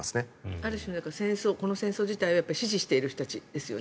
ある種、この戦争自体を支持している人たちですよね。